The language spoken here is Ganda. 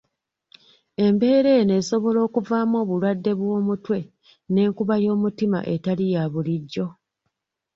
Embeera eno esobola okuvaamu obulwadde bw'omutwe n' enkuba y'omutima etali yabulijjo.